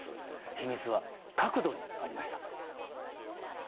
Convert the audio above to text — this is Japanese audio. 秘密は角度にありました。